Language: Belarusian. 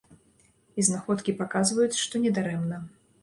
І знаходкі паказваюць, што недарэмна.